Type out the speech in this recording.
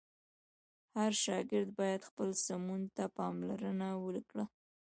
هر شاګرد باید خپل سمون ته پاملرنه وکړه.